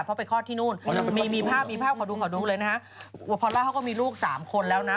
เพราะไปคลอดที่นู่นมีภาพขอดูเลยนะคะพอลาเขาก็มีลูกสามคนแล้วนะ